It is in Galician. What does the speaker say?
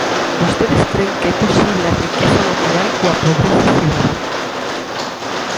Vostedes cren que é posible a riqueza natural coa pobreza cidadá.